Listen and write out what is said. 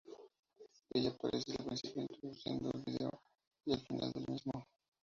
Ella aparecía al principio, introduciendo el video, y al final del mismo.